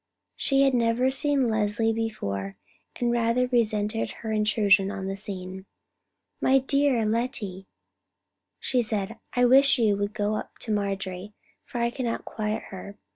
She had never seen Leslie before, and rather resented her intrusion on the scene. "My dear Lettie," she said, "I wish you would go up to Marjorie, for I cannot quiet her.